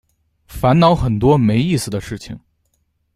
烦恼很多没意思的事情